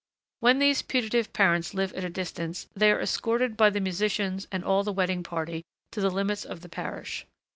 When these putative parents live at a distance, they are escorted by the musicians and all the wedding party to the limits of the parish.